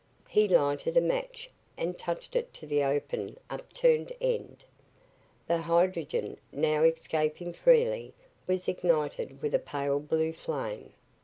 He lighted a match and touched it to the open, upturned end. The hydrogen, now escaping freely, was ignited with a pale blue flame.